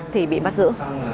thì bị bắt giữ